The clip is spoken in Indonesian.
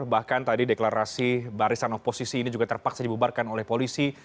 bahkan tadi deklarasi barisan oposisi ini juga terpaksa dibubarkan oleh polisi